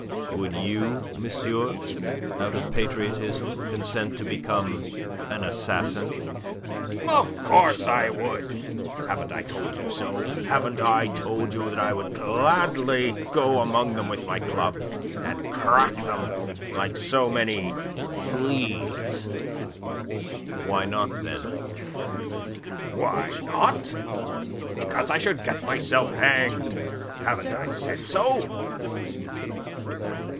"Would you, monsieur, out of patriotism consent to become an assassin?" "Of course I would. Haven't I told you so? Haven't I told you that I would gladly go among them with my club, and crack them like so many fleas?" "Why not, then?" "Why not? Because I should get myself hanged. Haven't I said so?"